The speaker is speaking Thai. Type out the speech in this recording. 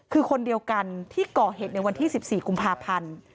คือคนเดียวกันที่ก่อเหตุในวันที่๑๔กุมภาพันธ์